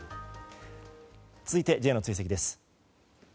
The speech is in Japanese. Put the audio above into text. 続いてＪの追跡です。